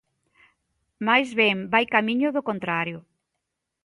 Mais ben vai camiño do contrario.